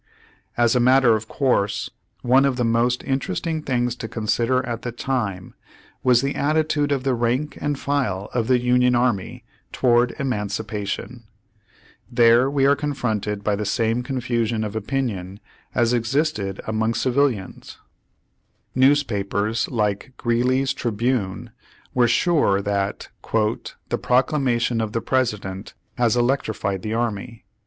As a matter of course one of the most interest ing things to consider at the time was the attitude of the rank and file of the Union Army toward emancipation. There we are confronted by the same confusion of opinion as existed among civ Page One Hundred four Page One Hundred five ilians. Newspapers like Greeley's Trihime were sure that "The proclamation of the President has electrified the army."